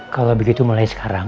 kalau begitu mulai sekarang